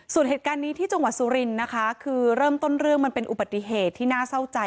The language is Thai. ส่วนเหตุการณ์นี้ที่จังหวัดสุรินทร์นะคะคือเริ่มต้นเรื่องมันเป็นอุบัติเหตุที่น่าเศร้าใจ